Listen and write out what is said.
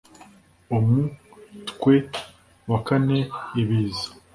umu twe wakane ibiza